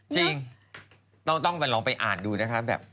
จริงต้องไปลองไปอ่านดูนะคะ